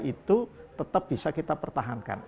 itu tetap bisa kita pertahankan